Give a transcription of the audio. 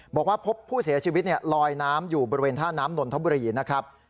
บอกว่าพบผู้เสียชีวิตลอยน้ำอยู่บริเวณท่าน้ำนนทบุรีนะครับ